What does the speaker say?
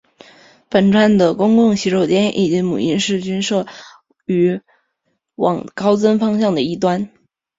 本站的公共洗手间以及母婴室均设于往高增方向的一端。